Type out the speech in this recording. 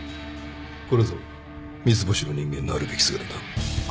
これぞ三ツ星の人間のあるべき姿だ。